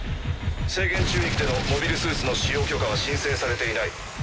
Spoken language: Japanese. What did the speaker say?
制限宙域でのモビルスーツの使用許可は申請されていない。